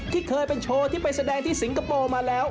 ที่เคยเป็นโชว์ที่ไปแสดงที่สิงคโปร์มาแล้ว